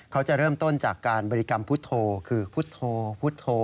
เขาจะเริ่มต้นจากการบริกรรมพุทธโธคือพุทธพุทธโธ